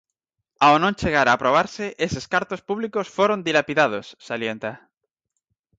"Ao non chegar a aprobarse, eses cartos públicos foron dilapidados", salienta.